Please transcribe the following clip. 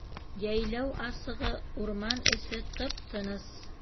Йәйләү асығы, урман эсе тып-тыныс.